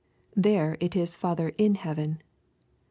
There it is " Father in heaven."